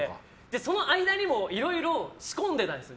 その間にもいろいろ仕込んでたんですよ。